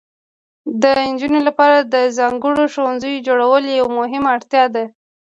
د نجونو لپاره د ځانګړو ښوونځیو جوړول یوه مهمه اړتیا ده.